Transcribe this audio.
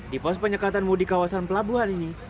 di pos penyekatan mudik kawasan pelabuhan ini